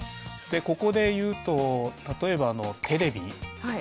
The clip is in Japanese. ここでいうと例えばテレビ。